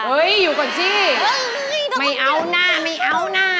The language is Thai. นี่อยู่ก่อนสิไม่เอาหน้า